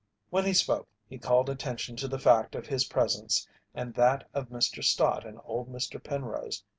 When he spoke he called attention to the fact of his presence and that of Mr. Stott and old Mr. Penrose.